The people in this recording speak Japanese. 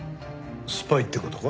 スパイって事か？